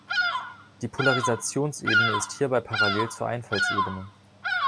Die Polarisationsebene ist hierbei parallel zur Einfallsebene.